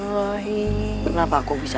buat fighting dan melcktuk malam